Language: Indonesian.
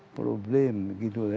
problem gitu ya